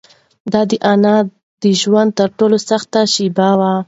دا د انا د ژوند تر ټولو سخته شپه وه.